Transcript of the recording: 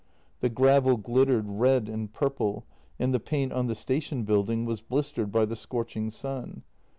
The gravel glittered red and purple, and the paint on the station building was blistered by the scorching sun.